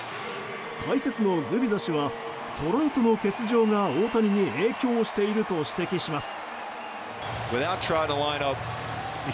解説のグビザ氏はトラウトの欠場が大谷に影響していると指摘します。